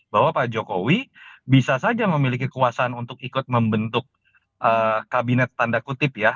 bahwa pak jokowi bisa saja memiliki kekuasaan untuk ikut membentuk kabinet tanda kutip ya